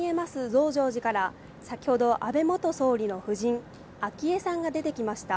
増上寺から、先ほど、安倍元総理の夫人、昭恵さんが出てきました。